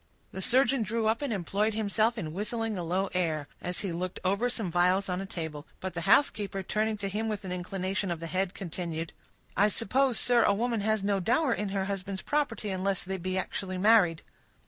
The surgeon drew up, and employed himself in whistling a low air, as he looked over some phials on a table; but the housekeeper, turning to him with an inclination of the head, continued,— "I suppose, sir, a woman has no dower in her husband's property, unless they be actually married."